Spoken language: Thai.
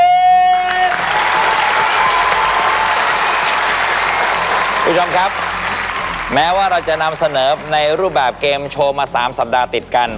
คุณผู้ชมครับแม้ว่าเราจะนำเสนอในรูปแบบเกมโชว์มา๓สัปดาห์ติดกัน